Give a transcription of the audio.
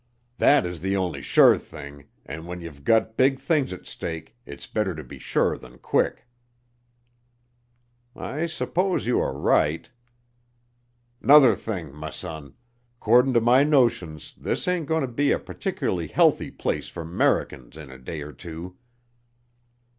Thet is th' only sure thing, an' when ye've gut big things at stake it's better ter be sure than quick." "I suppose you are right." "'Nother thing, m' son, 'cordin' to my notions this ain't goin' ter be a partic'laly healthy place fer 'Mericans in a day er two.